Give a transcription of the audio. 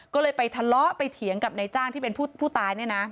ก็เลยไปทะเลาะไปเถียงกับนายจ้างที่เป็นผู้ตายเนี่ยนะ